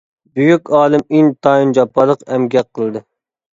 بۈيۈك ئالىم ئىنتايىن جاپالىق ئەمگەك قىلدى.